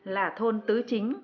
là thôn tứ chính